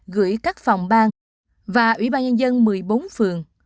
gửi các phòng bang và ủy ban nhân dân một mươi bốn phường